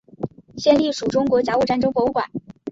现隶属中国甲午战争博物馆。